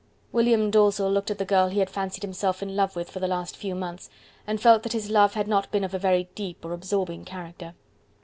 William Dalzell looked at the girl he had fancied himself in love with for the last few months, and felt that his love had not been of a very deep or absorbing character.